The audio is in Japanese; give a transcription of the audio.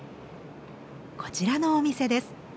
こちらのお店です。